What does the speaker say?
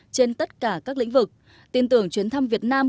trên tất cả các lĩnh vực tin tưởng chuyến thăm việt nam